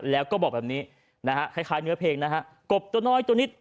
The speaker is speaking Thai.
แล้วก็บอกแบบนี้นะฮะคล้ายเนื้อเพลงนะฮะกบตัวน้อยตัวนี้